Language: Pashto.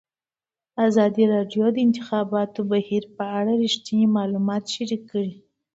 ازادي راډیو د د انتخاباتو بهیر په اړه رښتیني معلومات شریک کړي.